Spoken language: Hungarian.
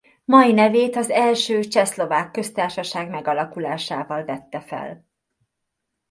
Mai nevét az első Csehszlovák köztársaság megalakulásával vette fel.